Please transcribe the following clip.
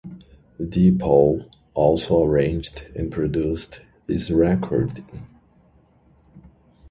De Paul also arranged and produced this recording.